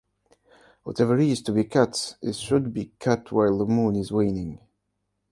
Whatever is to be cut is should be cut while the moon is waning.